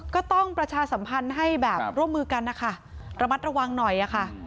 ก็ต้องประชาสัมพันธ์ให้แบบร่วมมือกันนะคะระมัดระวังหน่อยค่ะ